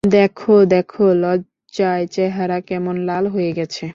দেখো, দেখো লজ্জায় চেহারা কেমন লাল হয়ে গেছে!